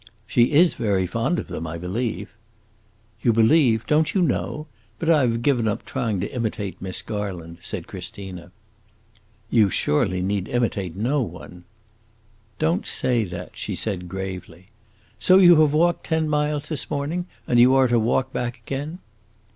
"She is very fond of them, I believe." "You believe don't you know? But I have given up trying to imitate Miss Garland," said Christina. "You surely need imitate no one." "Don't say that," she said gravely. "So you have walked ten miles this morning? And you are to walk back again?"